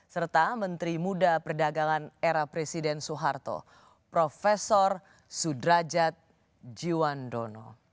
serta menteri muda perdagangan era presiden soeharto prof sudrajat jiwandono